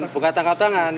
bukan tangkap tangan